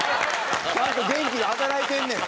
ちゃんと元気に働いてんねん！